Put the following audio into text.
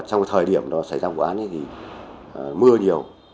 trong thời điểm xảy ra vụ án mưa nhiều